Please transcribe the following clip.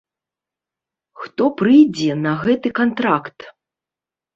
Хто прыйдзе на гэты кантракт?